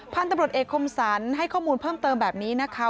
พันธบริโภคเอกคมสรรค์ให้ข้อมูลเพิ่มเติมแบบนี้นะคะ